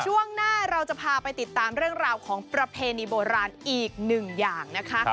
ช่วงหน้าเราจะพาไปติดตามเรื่องราวของประเพณีโบราณอีกหนึ่งอย่างนะคะ